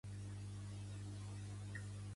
Pertany al moviment independentista el Max?